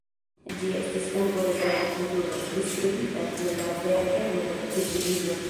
Ĝi estis urbo de granda kulturo, priskribita kiel la vera kerno de civilizo.